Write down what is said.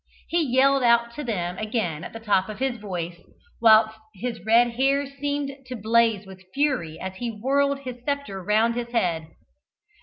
He yelled out to them again at the top of his voice, whilst his red hair seemed to blaze with fury as he whirled his sceptre round his head.